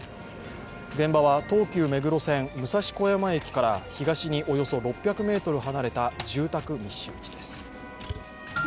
現場は東急目黒線武蔵小山駅から東におよそ６００ｍ離れた住宅密集地です。